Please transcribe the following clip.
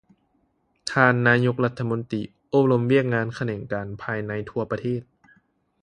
ທ່ານນາຍົກລັດຖະມົນຕີ ໂອ້ລົມວຽກງານຂະແໜງການພາຍໃນທົ່ວປະເທດ